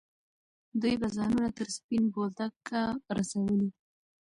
دوی به ځانونه تر سپین بولدکه رسولي.